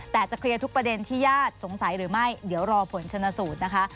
แต่จะเคลียร์ทุกประเด็นที่ญาติสงสัยหรือไม่เดี๋ยวรอผลชนสูตรนะคะ